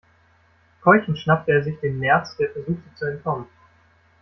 Keuchend schnappte er sich den Nerz, der versuchte zu entkommen.